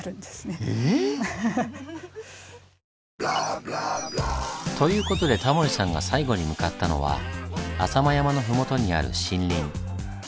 え？ということでタモリさんが最後に向かったのは浅間山の麓にある森林。